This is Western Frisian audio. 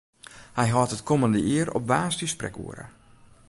Hy hâldt it kommende jier op woansdei sprekoere.